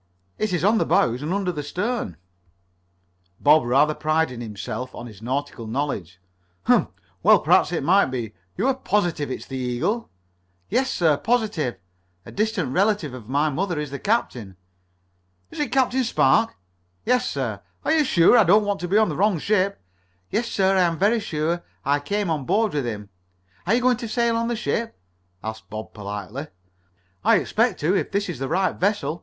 "It is on the bows and under the stern." Bob rather prided himself on this nautical knowledge. "Hum! Well, perhaps it may be. You are positive it is the Eagle?" "Yes, sir. Positive. A distant relative of my mother is the captain." "Is it Captain Spark?" "Yes, sir." "Are you sure? I don't want to be on the wrong ship." "Yes, sir, I am very sure, I came on board with him. Are you going to sail on the ship?" asked Bob politely. "I expect to, if this is the right vessel.